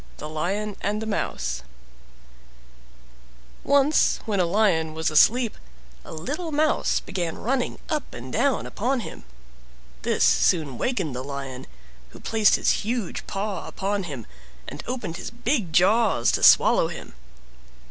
THE LION AND THE MOUSE Once when a Lion was asleep a little Mouse began running up and down upon him; this soon wakened the Lion, who placed his huge paw upon him, and opened his big jaws to swallow him.